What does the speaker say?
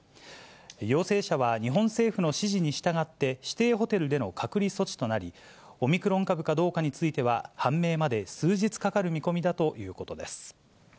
陽性者は日本政府の指示に従って、指定ホテルでの隔離措置となり、オミクロン株かどうかについては、判明まで数日かかる見込みだということです。